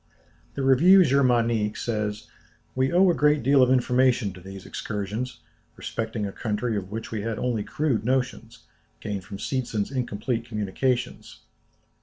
The Revue Germanique says: "We owe a great deal of information to these excursions, respecting a country of which we had only crude notions, gained from Seetzen's incomplete communications.